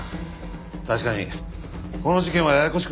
確かにこの事件はややこしくなりそうだ。